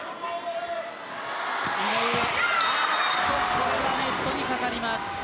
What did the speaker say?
これはネットに掛かります。